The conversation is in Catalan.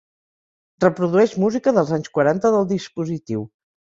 Reprodueix música dels anys quaranta del dispositiu.